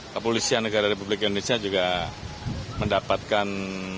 kepolisian negara republik indonesia juga mendapatkan